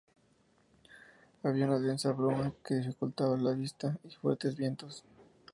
Había una densa bruma que dificultaba la vista y fuertes vientos.